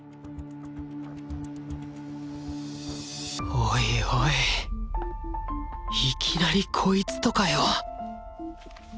おいおいいきなりこいつとかよ！